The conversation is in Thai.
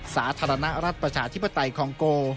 สาธารณรัฐประชาธิปไตยคองโก